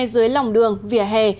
dưới lòng đường vỉa hè